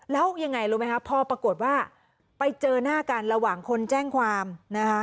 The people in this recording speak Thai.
แล้วยังไงรู้ไหมคะพอปรากฏว่าไปเจอหน้ากันระหว่างคนแจ้งความนะคะ